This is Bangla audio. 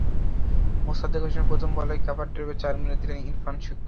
মোসাদ্দেক হোসেনের প্রথম বলেই কাভার ড্রাইভে চার মেরে দিলেন ইরফান শুক্কুর।